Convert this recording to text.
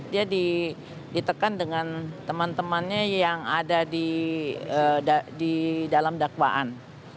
dia ditekan dengan teman temannya yang ada di dalam dakwaan